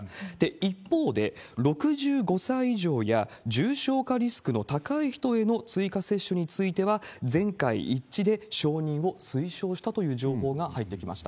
一方で、６５歳以上や重症化リスクの高い人への追加接種については、全会一致で承認を推奨したという情報が入ってきました。